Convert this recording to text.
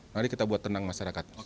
mari kita buat tenang masyarakat